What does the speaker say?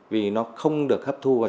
vì nó không được hấp thù vào